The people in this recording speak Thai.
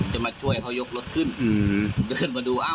จะมาช่วยเขายกรถขึ้นอืมเดินมาดูอ้าว